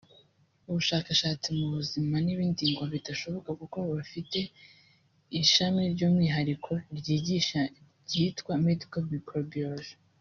ubushakashatsi mu buzima n’ibindi ngo bidashoboka kuko bafite ishami ry’umwihariko ribyigisha ryitwa Medical Microbiology